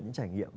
những trải nghiệm